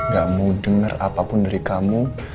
gak mau dengar apapun dari kamu